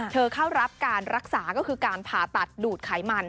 เข้ารับการรักษาก็คือการผ่าตัดดูดไขมัน